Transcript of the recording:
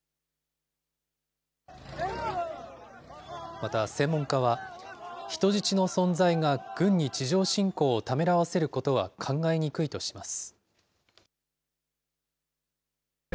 また専門家は、人質の存在が軍に地上侵攻をためらわせることは考えにくいとします。